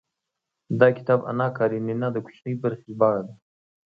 دا کتاب اناکارينينا د کوچنۍ برخې ژباړه ده.